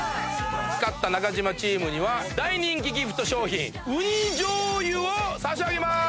勝った中島チームには大人気ギフト商品雲丹醤油を差し上げます！